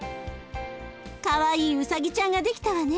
かわいいうさぎちゃんが出来たわね。